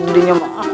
paling dirinya mahal